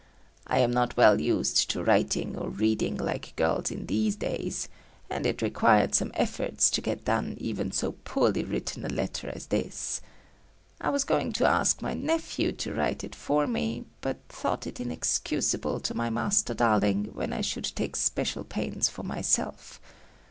I am not well used to writing or reading like girls in these days, and it required some efforts to get done even so poorly written a letter as this. I was going to ask my nephew to write it for me, but thought it inexcusable to my Master Darling when I should take special pains for myself.